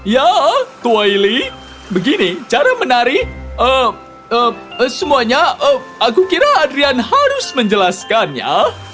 ya twaili begini cara menari semuanya aku kira adrian harus menjelaskannya